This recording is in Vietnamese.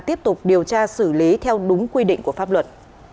tiếp tục điều tra xử lý theo đúng quy định của pháp luật